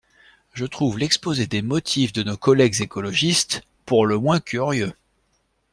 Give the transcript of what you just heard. Je trouve l’exposé des motifs de nos collègues écologistes pour le moins curieux.